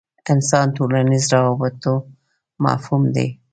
انساني ټولنیزو روابطو مفهوم دی.